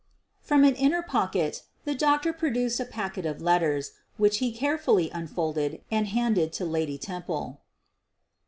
From an inner pocket the doctor produced a packet of letters, which he carefully unfolded and handed to Lady Temple.